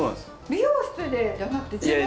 美容室でじゃなくて自分で？